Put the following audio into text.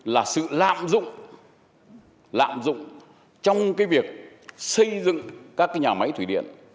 là sự lạm dụng lạm dụng trong cái việc xây dựng các cái nhà máy thủy điện